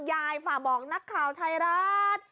ฝากบอกนักข่าวไทยรัฐ